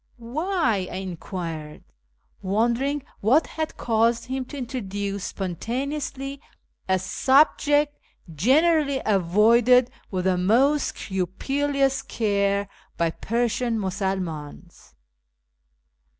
" Why ?" I enquired, wondering what had caused him to introduce spontaneously a subject generally avoided with the most scrupulous care by Persian Musulmans.